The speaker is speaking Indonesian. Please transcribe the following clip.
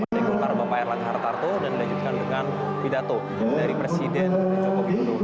dari golkar bapak erlangga hartarto dan dilanjutkan dengan pidato dari presiden joko widodo